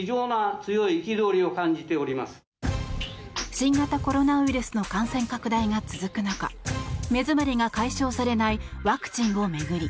新型コロナウイルスの感染拡大が続く中目詰まりが解消されないワクチンを巡り